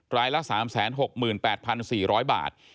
รายละ๓๖๘๔๐๐บาท